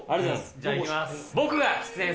じゃあ、いきます。